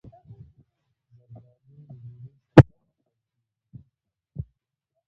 زردالو له ډوډۍ سره هم خوړل کېږي.